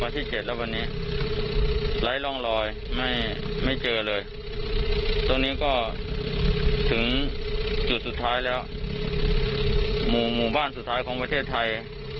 ตอนนี้ก็ถึงจุดสุดท้ายแล้วหมู่บ้านสุดท้ายของประเทศไทย